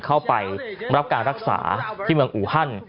เข้าไปรับการรักษาที่เมืองอูฮัน